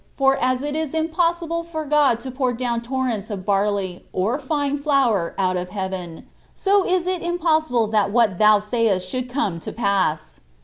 for as it is impossible for God to pour down torrents of barley, or fine flour, out of heaven, so is it impossible that what thou sayest should come to pass."